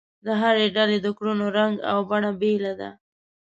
د هرې ډلې د کړنو رنګ او بڼه بېله ده.